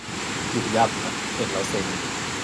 ยุ่บยั่บฮะ เห็นแล้วเซ็ง